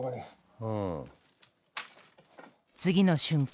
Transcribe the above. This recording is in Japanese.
次の瞬間。